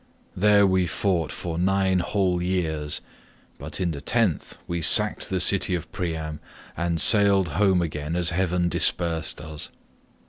There we fought for nine whole years, but in the tenth we sacked the city of Priam and sailed home again as heaven dispersed us.